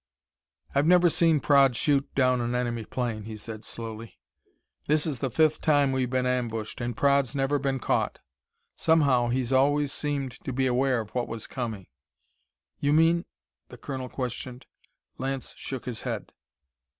"I've never seen Praed shoot down an enemy plane," he said slowly. "This is the fifth time we've been ambushed and Praed's never been caught. Somehow, he's always seemed to be aware of what was coming." "You mean ?" the colonel questioned. Lance shook his head.